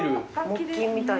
木琴みたいな。